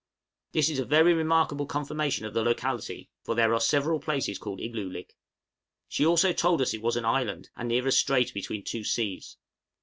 This is a very remarkable confirmation of the locality, for there are several places called Igloolik. She also told us it was an island, and near a strait between two seas.